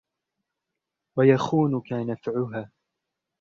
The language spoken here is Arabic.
وَيَخُونُك نَفْعُهَا